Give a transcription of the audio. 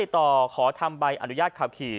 ต่อขอทำใบอนุญาตขับขี่